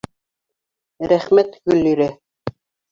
Рәхмәт, Гөллирә!